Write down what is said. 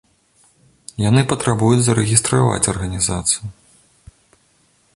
Яны патрабуюць зарэгістраваць арганізацыю.